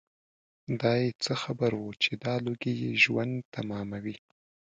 دای څه خبر و چې دا لوګي یې ژوند تماموي.